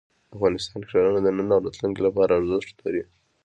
افغانستان کې ښارونه د نن او راتلونکي لپاره ارزښت لري.